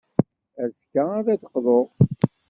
Azekka, ad d-teqḍu.